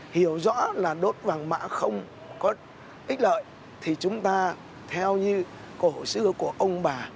hiểu rõ là đốt vàng mã không có ít lợi thì chúng ta theo như cổ xưa của ông bà